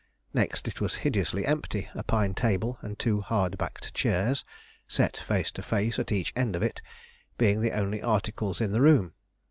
Next, it was hideously empty; a pine table and two hard backed chairs, set face to face at each end of it, being the only articles in the room.